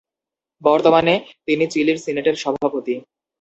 বর্তমানে তিনি চিলির সিনেটের সভাপতি।